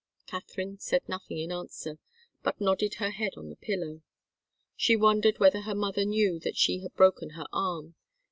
Katharine said nothing in answer, but nodded her head on the pillow. She wondered whether her mother knew that she had broken her arm.